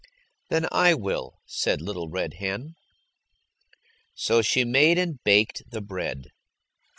"Then I will," said Little Red Hen. So she made and baked the bread.